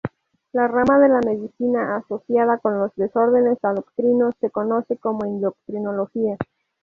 La rama de la medicina asociada con los desórdenes endocrinos se conoce como endocrinología.